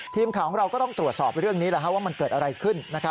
ทีมข่าวของเราก็ต้องตรวจสอบเรื่องนี้ว่ามันเกิดอะไรขึ้น